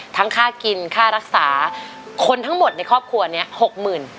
ค่ากินค่ารักษาคนทั้งหมดในครอบครัวนี้หกหมื่น